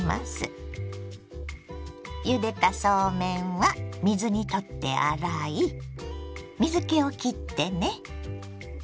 ゆでたそうめんは水にとって洗い水けをきってね。